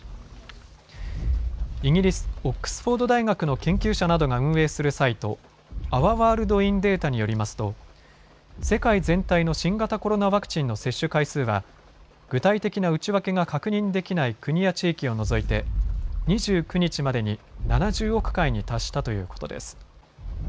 イギリス、オックスフォード大学の研究者などが運営するサイト、アワ・ワールド・イン・データによりますと世界全体の新型コロナワクチンの接種回数は具体的な内訳が確認できない国や地域を除いて２９日までに７０億回に達したということです。